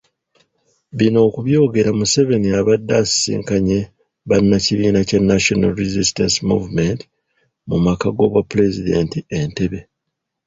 Bino okubyogera Museveni abadde asisinkanye bannakibiina kya National Resistance Movement mu maka g’obwapulezidenti Entebbe.